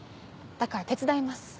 だから手伝います。